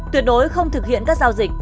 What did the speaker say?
tuyệt đối không thực hiện các giao dịch